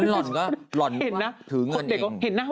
ร่อนก็เงาะถือเงินเอง